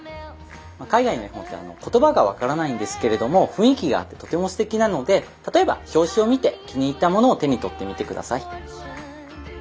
海外の絵本って言葉が分からないんですけれども雰囲気があってとてもすてきなので例えば表紙を見て気に入ったものを手に取ってみて下さい。